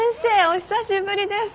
お久しぶりです。